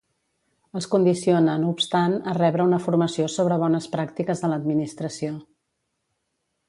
Els condiciona, no obstant, a rebre una formació sobre bones pràctiques a l'administració.